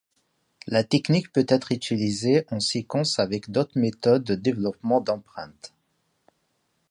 La technique peut être utilisée en séquence avec d’autres méthodes de développement d’empreintes.